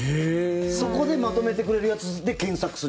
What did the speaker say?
そこでまとめてくれるやつで検索する。